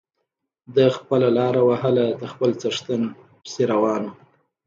ده خپله لاره وهله د خپل څښتن پسې روان و.